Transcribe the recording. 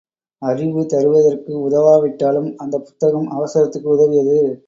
அறிவு தருவதற்கு உதவாவிட்டாலும் அந்தப்புத்தகம் அவசரத்துக்கு உதவியது.